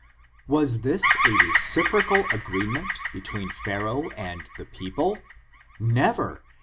Was this a reciprocal agreement between Pharaoh and the people ?— never.